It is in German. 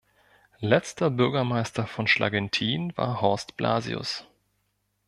Letzter Bürgermeister von Schlagenthin war Horst Blasius.